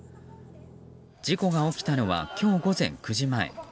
事故が起きたのは今日午前９時前。